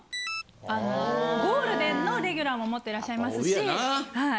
ゴールデンのレギュラーももってらっしゃいますしはい。